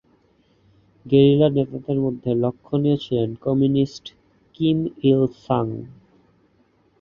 Guerrilla নেতাদের মধ্যে লক্ষণীয় ছিলেন কমিউনিস্ট কিম ইল-সাং।